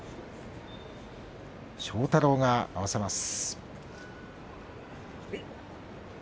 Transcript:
庄太郎が合わせます。